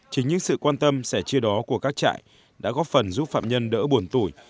chính những sự quan tâm sẻ chia đó của các trại đã góp phần giúp phạm nhân đỡ buồn tủi